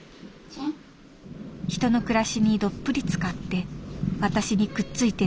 「人の暮らしにどっぷりつかって私にくっついて眠る」。